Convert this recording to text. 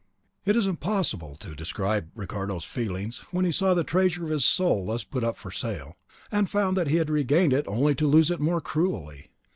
It is impossible to describe Ricardo's feelings, when he saw the treasure of his soul thus put up for sale, and found that he had regained it only to lose it more cruelly.